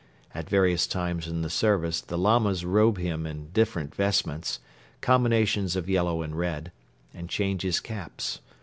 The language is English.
At various times in the service the Lamas robe him in different vestments, combinations of yellow and red, and change his caps.